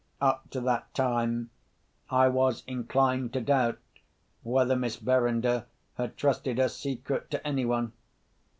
Up to that time I was inclined to doubt whether Miss Verinder had trusted her secret to anyone.